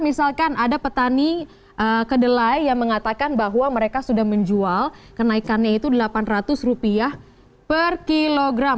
misalkan ada petani kedelai yang mengatakan bahwa mereka sudah menjual kenaikannya itu rp delapan ratus per kilogram